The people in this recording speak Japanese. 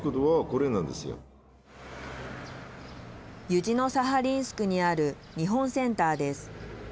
ユジノサハリンスクにある日本センターです。